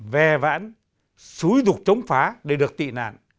vè vãn xúi rục chống phá để được tị nạn